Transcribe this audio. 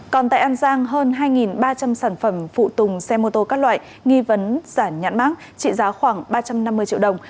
còn tại an giang hơn hai ba trăm linh sản phẩm phụ tùng xe mô tô các loại nghi vấn giả nhãn mát trị giá khoảng ba trăm năm mươi triệu đồng